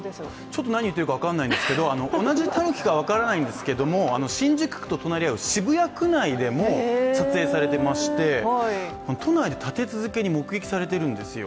ちょっと何を言っているか分からないんですけれども同じたぬきかどうか分からないんですが新宿区と隣り合う渋谷区内でも撮影されていまして都内で立て続けに目撃されてるんですよ。